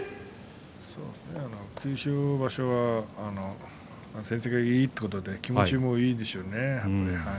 九州場所は成績がいいということで気持ちもいいでしょうね。